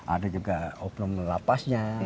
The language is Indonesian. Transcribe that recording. ada juga oknum lapasnya